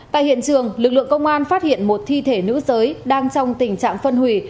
tại hiện trường lực lượng công an phát hiện một thi thể nữ giới đang trong tình trạng phân hủy